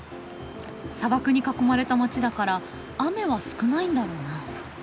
砂漠に囲まれた街だから雨は少ないんだろうな。